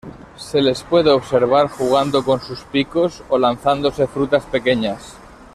Se les puede observar jugando con sus picos o lanzándose frutas pequeñas.